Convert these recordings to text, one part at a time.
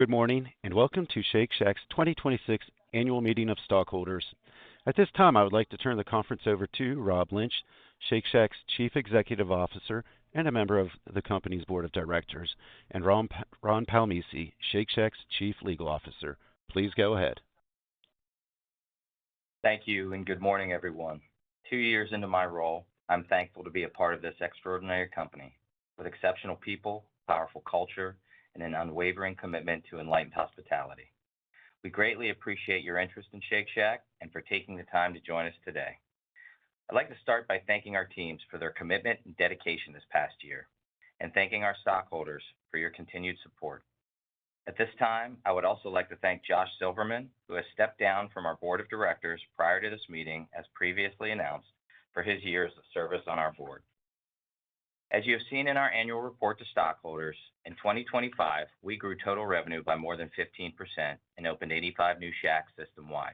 Good morning. Welcome to Shake Shack's 2026 Annual Meeting of Stockholders. At this time, I would like to turn the conference over to Rob Lynch, Shake Shack's Chief Executive Officer, and a member of the company's Board of Directors, and Ron Palmese, Shake Shack's Chief Legal Officer. Please go ahead. Thank you. Good morning, everyone. Two years into my role, I'm thankful to be a part of this extraordinary company with exceptional people, powerful culture, and an unwavering commitment to enlightened hospitality. We greatly appreciate your interest in Shake Shack and for taking the time to join us today. I'd like to start by thanking our teams for their commitment and dedication this past year and thanking our stockholders for your continued support. At this time, I would also like to thank Josh Silverman, who has stepped down from our Board of Directors prior to this meeting, as previously announced, for his years of service on our board. As you have seen in our annual report to stockholders, in 2025, we grew total revenue by more than 15% and opened 85 new Shacks system-wide.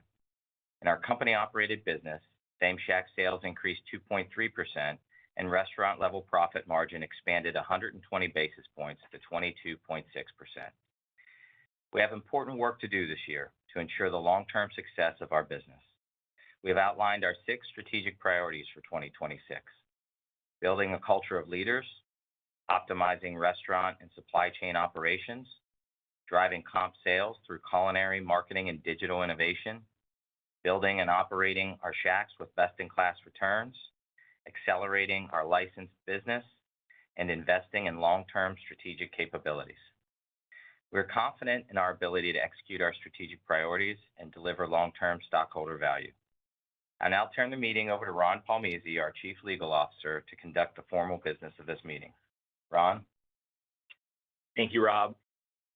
In our company-operated business, Same-Shack sales increased 2.3% and restaurant level profit margin expanded 120 basis points to 22.6%. We have important work to do this year to ensure the long-term success of our business. We have outlined our six strategic priorities for 2026: building a culture of leaders, optimizing restaurant and supply chain operations, driving comp sales through culinary marketing and digital innovation, building and operating our Shacks with best-in-class returns, accelerating our licensed business, and investing in long-term strategic capabilities. We're confident in our ability to execute our strategic priorities and deliver long-term stockholder value. I now turn the meeting over to Ron Palmese, our Chief Legal Officer, to conduct the formal business of this meeting. Ron? Thank you, Rob.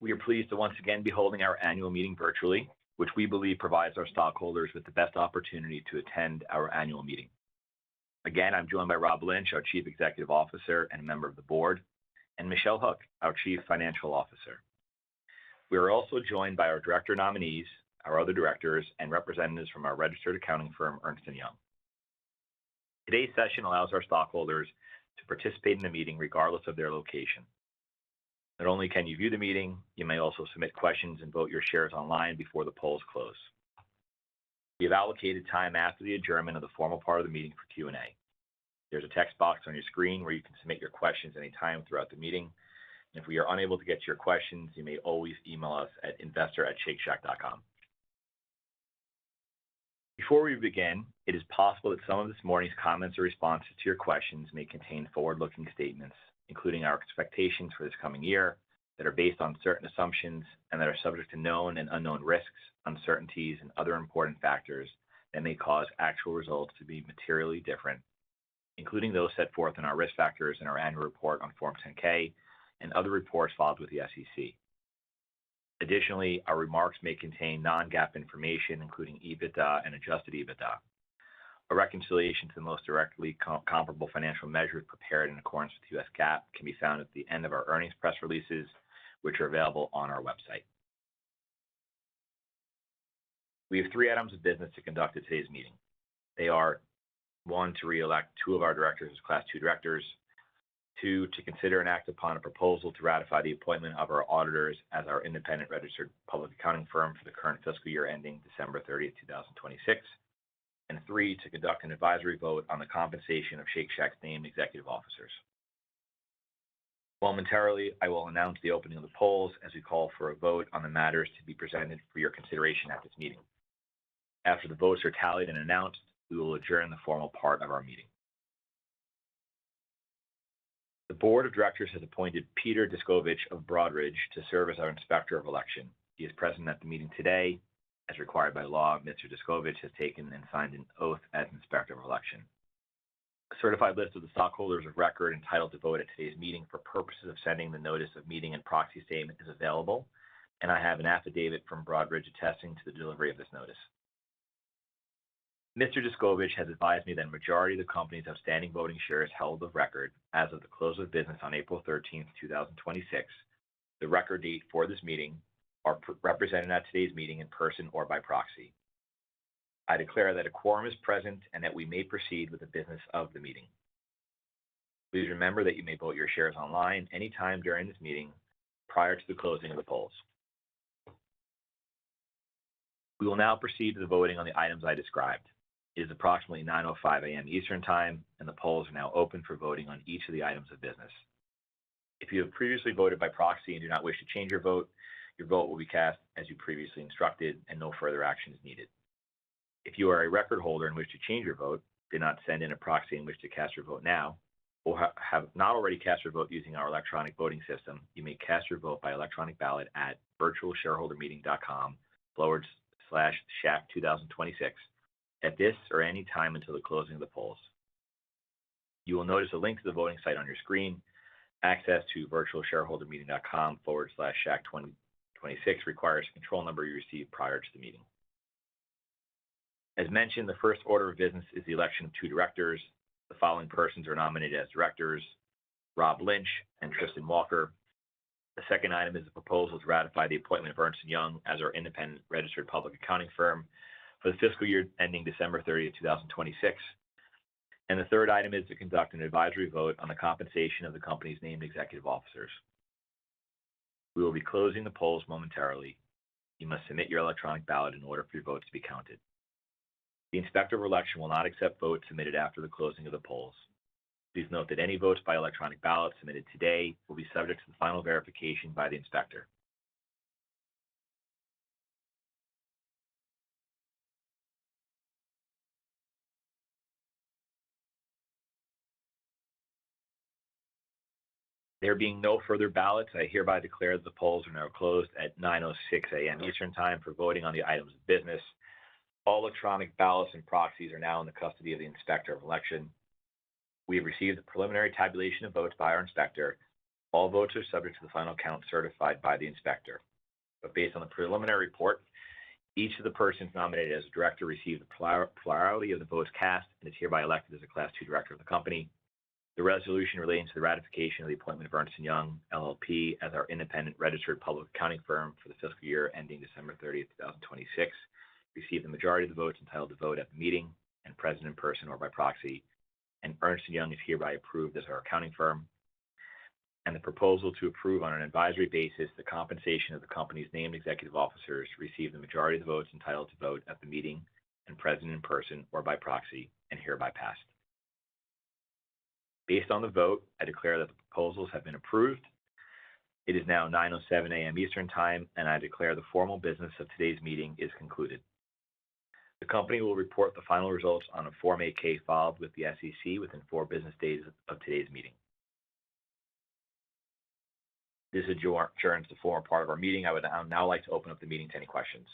We are pleased to once again be holding our annual meeting virtually, which we believe provides our stockholders with the best opportunity to attend our annual meeting. Again, I'm joined by Rob Lynch, our Chief Executive Officer and member of the board, and Michelle Hook, our Chief Financial Officer. We are also joined by our director nominees, our other directors, and representatives from our registered accounting firm, Ernst & Young. Today's session allows our stockholders to participate in the meeting, regardless of their location. Not only can you view the meeting, you may also submit questions and vote your shares online before the polls close. We have allocated time after the adjournment of the formal part of the meeting for Q&A. There's a text box on your screen where you can submit your questions any time throughout the meeting. If we are unable to get to your questions, you may always email us at investor@shakeshack.com. Before we begin, it is possible that some of this morning's comments or responses to your questions may contain forward-looking statements, including our expectations for this coming year, that are based on certain assumptions and that are subject to known and unknown risks, uncertainties and other important factors that may cause actual results to be materially different, including those set forth in our risk factors in our annual report on Form 10-K and other reports filed with the SEC. Additionally, our remarks may contain non-GAAP information, including EBITDA and adjusted EBITDA. A reconciliation to the most directly comparable financial measure prepared in accordance with U.S. GAAP can be found at the end of our earnings press releases, which are available on our website. We have three items of business to conduct at today's meeting. They are, one, to reelect two of our directors as Class II directors. Two, to consider and act upon a proposal to ratify the appointment of our auditors as our independent registered public accounting firm for the current fiscal year ending December 30, 2026. And three, to conduct an advisory vote on the compensation of Shake Shack's named executive officers. Momentarily, I will announce the opening of the polls as we call for a vote on the matters to be presented for your consideration at this meeting. After the votes are tallied and announced, we will adjourn the formal part of our meeting. The Board of Directors has appointed Peter Descovich of Broadridge to serve as our Inspector of Election. He is present at the meeting today. As required by law, Mr. Descovich has taken and signed an oath as Inspector of Election. A certified list of the stockholders of record entitled to vote at today's meeting for purposes of sending the notice of meeting and proxy statement is available, and I have an affidavit from Broadridge attesting to the delivery of this notice. Mr. Descovich has advised me that a majority of the company's outstanding voting shares held of record as of the close of business on April 13th, 2026, the record date for this meeting, are represented at today's meeting in person or by proxy. I declare that a quorum is present and that we may proceed with the business of the meeting. Please remember that you may vote your shares online any time during this meeting prior to the closing of the polls. We will now proceed to the voting on the items I described. It is approximately 9:05 A.M. Eastern Time, and the polls are now open for voting on each of the items of business. If you have previously voted by proxy and do not wish to change your vote, your vote will be cast as you previously instructed and no further action is needed. If you are a record holder and wish to change your vote, did not send in a proxy and wish to cast your vote now, or have not already cast your vote using our electronic voting system, you may cast your vote by electronic ballot at virtualshareholdermeeting.com/shack2026 at this or any time until the closing of the polls. You will notice a link to the voting site on your screen. Access to virtualshareholdermeeting.com/shack2026 requires a control number you received prior to the meeting. As mentioned, the first order of business is the election of two directors. The following persons are nominated as directors: Rob Lynch and Tristan Walker. The second item is the proposal to ratify the appointment of Ernst & Young as our independent registered public accounting firm for the fiscal year ending December 30, 2026. The third item is to conduct an advisory vote on the compensation of the company's named executive officers. We will be closing the polls momentarily. You must submit your electronic ballot in order for your vote to be counted. The Inspector of Election will not accept votes submitted after the closing of the polls. Please note that any votes by electronic ballot submitted today will be subject to the final verification by the Inspector. There being no further ballots, I hereby declare the polls are now closed at 9:06 A.M. Eastern Time for voting on the items of business. All electronic ballots and proxies are now in the custody of the Inspector of Election. We have received the preliminary tabulation of votes by our Inspector. All votes are subject to the final count certified by the Inspector. But based on the preliminary report, each of the persons nominated as a director received a plurality of the votes cast and is hereby elected as a Class II director of the company. The resolution relating to the ratification of the appointment of Ernst & Young LLP as our independent registered public accounting firm for the fiscal year ending December 30, 2026 received the majority of the votes entitled to vote at the meeting and present in person or by proxy, and Ernst & Young is hereby approved as our accounting firm. The proposal to approve on an advisory basis the compensation of the company's named executive officers received the majority of the votes entitled to vote at the meeting and present in person or by proxy and hereby passed. Based on the vote, I declare that the proposals have been approved. It is now 9:07 A.M. Eastern Time, and I declare the formal business of today's meeting is concluded. The company will report the final results on a Form 8-K filed with the SEC within four business days of today's meeting. This adjourns the formal part of our meeting. I would now like to open up the meeting to any questions